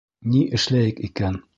Ни эшләйек икән?